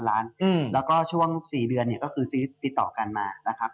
แล้วก็ช่วง๔เดือนก็คือติดต่อกันมานะครับ